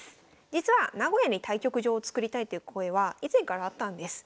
実は名古屋に対局場を作りたいという声は以前からあったんです。